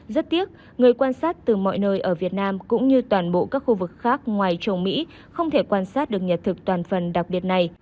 rất tiếc người quan sát từ mọi nơi ở việt nam cũng như toàn bộ các khu vực khác ngoài trồng mỹ không thể quan sát được nhật thực toàn phần đặc biệt này